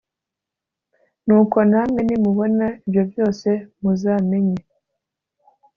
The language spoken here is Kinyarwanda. nuko namwe nimubona ibyo byose muzamenye